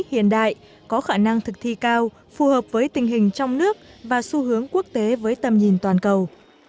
hiện đại có khả năng thực thi cao phù hợp với tình hình trong nước và xu hướng quốc tế với tầm nhìn toàn cầu